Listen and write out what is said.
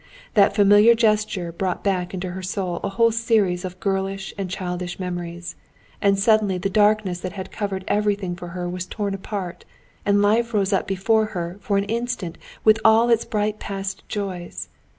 That familiar gesture brought back into her soul a whole series of girlish and childish memories, and suddenly the darkness that had covered everything for her was torn apart, and life rose up before her for an instant with all its bright past joys.